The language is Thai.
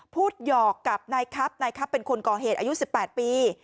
หยอกกับนายครับนายครับเป็นคนก่อเหตุอายุ๑๘ปี